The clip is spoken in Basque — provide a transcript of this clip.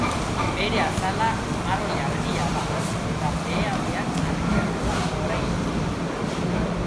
Bere azala marroi argia da, eta behealdea argiagoa da oraindik.